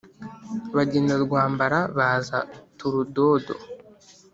Bagenda Rwambara, baza Turudodo